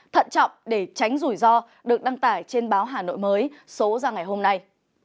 thận trọng để tránh rủi ro được đăng tải trên báo hà nội mới số ra ngày hôm nay